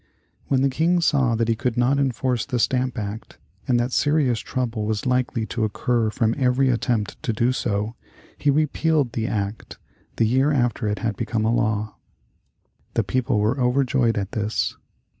When the King saw that he could not enforce the Stamp Act, and that serious trouble was likely to occur from every attempt to do so, he repealed the act, the year after it had become a law. The people were overjoyed at this.